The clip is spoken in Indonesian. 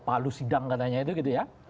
palu sidang katanya itu